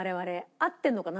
合ってるのかな？